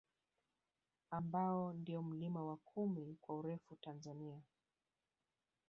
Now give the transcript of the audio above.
Ambao ndio mlima wa kumi kwa urefu Tanzania